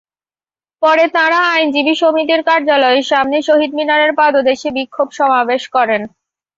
পরে তাঁরা আইনজীবী সমিতির কার্যালয়ের সামনে শহীদ মিনারের পাদদেশে বিক্ষোভ সমাবেশ করেন।